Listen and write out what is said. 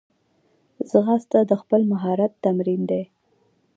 ځغاسته د خپل مهارت تمرین دی